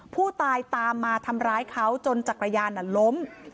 ผู้ตายตามมาทำร้ายเขาจนจักรยานล้ม